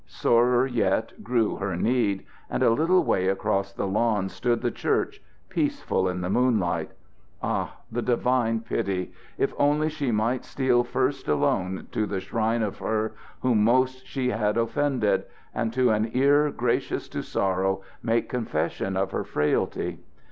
Sorer yet grew her need, and a little way across the lawn stood the church, peaceful in the moonlight. Ah, the divine pity! If only she might steal first alone to the shrine of her whom most she had offended, and to an ear gracious to sorrow make confession of her frailty.